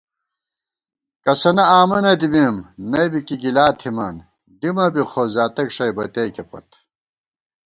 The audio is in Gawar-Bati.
کسَنہ آمہ نہ دِمېم، نئ بی کی گِلا تھِمان، دِمہ بی خو زاتک ݭَئ بَتیَئیکےپت